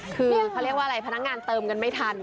คือเขาเรียกว่าอะไรพนักงานเติมเงินไม่ทัน